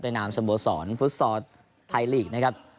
ในนามสโบสถ์ฟุตซอร์ไทยลีกซ์